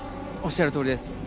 おっしゃるとおりです。